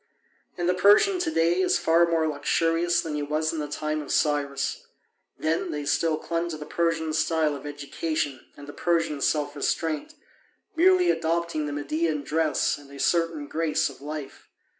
And the Persian to day is far more luxurious than he was in the time of Cyrus. Then they still clung to the Persian style of education and the Persian self restraint, merely adopting the Median dress and a certain grace of life.